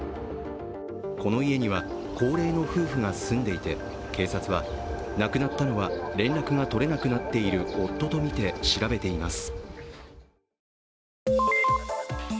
この家には高齢の夫婦が住んでいて警察は、亡くなったのは連絡が取れなくなっている夫とみて調べています。